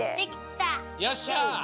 よっしゃ！